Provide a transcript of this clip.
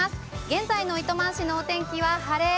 現在の糸満市のお天気は、晴れ。